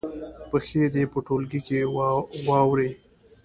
پېښې دې په ټولګي کې واوروي.